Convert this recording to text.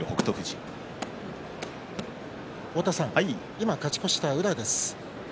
今、勝ち越した宇良です。